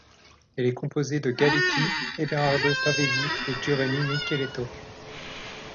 Elle est composée de Galetti, Eberardo Pavesi et Giovanni Micheletto.